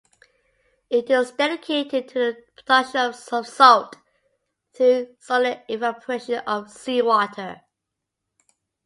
It is dedicated to the production of salt through solar evaporation of seawater.